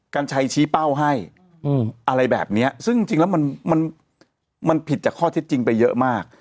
กัญชัยชี้เป้าให้อะไรแบบนี้ซึ่งจริงแล้วมันมันผิดจากข้อเท็จจริงไปเยอะมาก